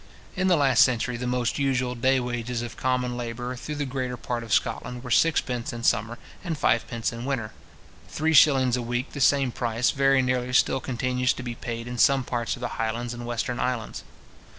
In the last century, the most usual day wages of common labour through the greater part of Scotland were sixpence in summer, and fivepence in winter. Three shillings a week, the same price, very nearly still continues to be paid in some parts of the Highlands and Western islands.